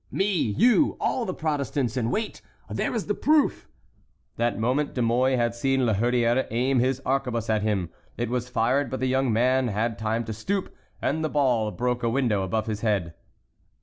"Me—you—all the Protestants; and wait—there is the proof!" That moment De Mouy had seen La Hurière aim his arquebuse at him; it was fired; but the young man had time to stoop, and the ball broke a window above his head.